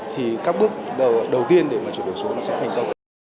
thì các bước đầu tiên để mà chuyển đổi số nó sẽ thành công